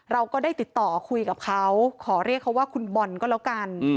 เราก็ได้ติดต่อคุยกับเขาขอเรียกเขาว่าคุณบอลก็แล้วกัน